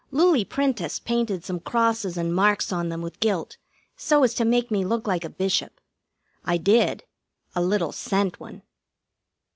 Loulie Prentiss painted some crosses and marks on them with gilt, so as to make me look like a Bishop. I did. A little cent one.